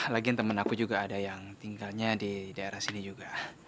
lagi temen aku juga ada yang tinggalnya di daerah sini juga